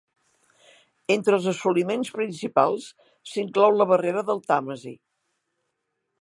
Entre els assoliments principals, s'inclou la barrera del Tàmesi.